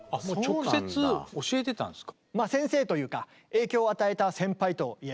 直接教えてたんすか。